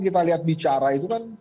kita lihat bicara itu kan